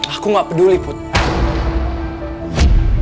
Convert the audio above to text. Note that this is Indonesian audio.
aku gak peduli putri